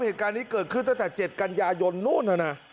เหตุการณ์นี้เกิดขึ้นตั้งแต่๗กันยายนนู่นน่ะนะ